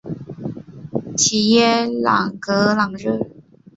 吉耶朗格朗热。